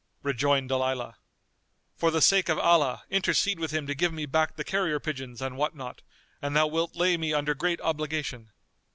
Rejoined Dalilah, "For the sake of Allah intercede with him to give me back the carrier pigeons and what not, and thou wilt lay me under great obligation."